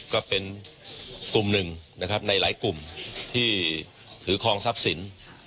ก็เป็นกลุ่มหนึ่งนะครับในหลายกลุ่มที่ถือครองทรัพย์สิน